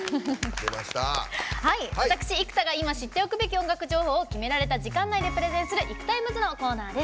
私、生田が今、知っておくべき音楽情報を決められた時間内でプレゼンする「ＩＫＵＴＩＭＥＳ」のコーナーです。